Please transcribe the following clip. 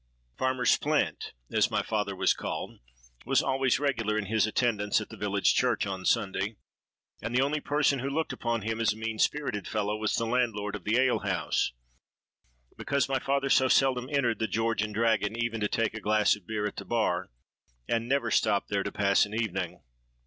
Farmer Splint, as my father was called, was always regular in his attendance at the village church on Sunday; and the only person who looked upon him as a mean spirited fellow, was the landlord of the ale house—because my father so seldom entered the George and Dragon even to take a glass of beer at the bar,—and never stopped there to pass an evening.